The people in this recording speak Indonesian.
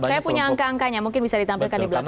saya punya angka angkanya mungkin bisa ditampilkan di belakang